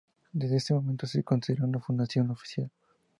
Desde ese momento se considera su fundación oficial.